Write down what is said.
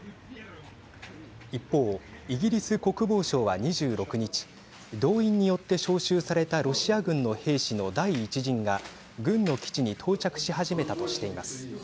一方、イギリス国防省は２６日動員によって招集されたロシア軍の兵士の第１陣が軍の基地に到着しはじめたとしています。